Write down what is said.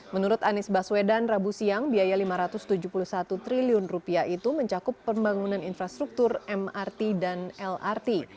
menurut anies baswedan rabu siang biaya rp lima ratus tujuh puluh satu triliun itu mencakup pembangunan infrastruktur mrt dan lrt